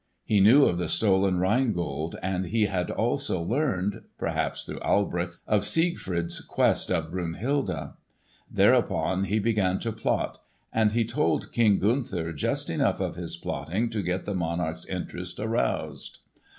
He knew of the stolen Rhine Gold; and he had also learned—perhaps through Alberich—of Siegfried's quest of Brunhilde. Thereupon he began to plot, and he told King Gunther just enough of his plotting to get the monarch's interest aroused.